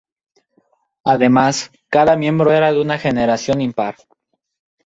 Además, cada miembro era de una generación impar.